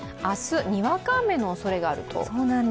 明日、にわか雨のおそれがあると。